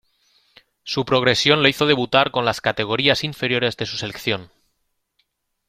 Su progresión le hizo debutar con las categorías inferiores de su selección.